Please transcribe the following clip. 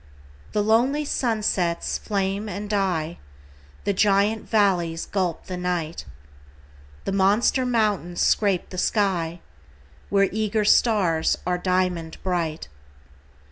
The lonely sunsets flame and die; The giant valleys gulp the night; The monster mountains scrape the sky, Where eager stars are diamond bright.